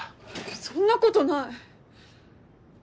そんなことない。